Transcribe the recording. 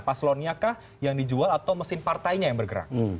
paslonnya kah yang dijual atau mesin partainya yang bergerak